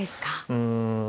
うん。